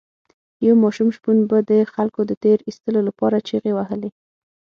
یو ماشوم شپون به د خلکو د تیر ایستلو لپاره چیغې وهلې.